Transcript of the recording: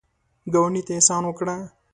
ګاونډي ته احسان وکړه